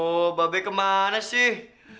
oh mabai kemana sih